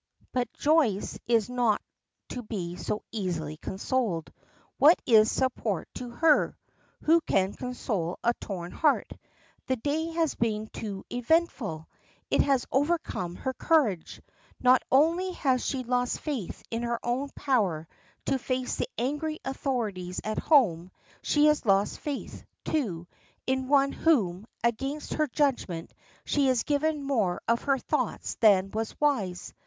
But Joyce is not to be so easily consoled. What is support to her? Who can console a torn heart? The day has been too eventful! It has overcome her courage. Not only has she lost faith in her own power to face the angry authorities at home, she has lost faith, too, in one to whom, against her judgment, she had given more of her thoughts than was wise.